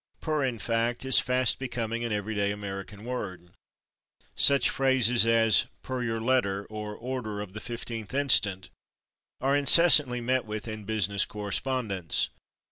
/Per/, in fact, is fast becoming an everyday American word. Such phrases as "as /per/ your letter (or order) of the 15th inst." are incessantly met with in business correspondence.